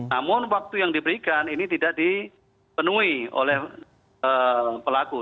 namun waktu yang diberikan ini tidak dipenuhi oleh pelaku